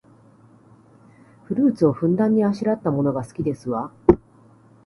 フルーツをふんだんにあしらったものが好きですわ